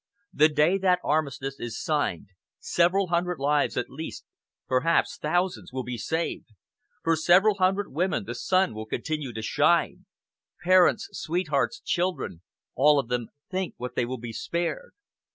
The day that armistice is signed, several hundred lives at least perhaps, thousands will be saved; for several hundred women the sun will continue to shine. Parents, sweethearts, children all of them think what they will be spared!"